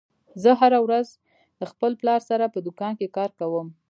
زه هره ورځ د خپل پلار سره په دوکان کې کار کوم